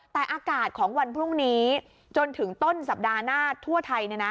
แต่อากาศของวันพรุ่งนี้จนถึงต้นสัปดาห์หน้าทั่วไทย